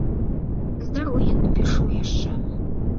З дарогі напішу яшчэ.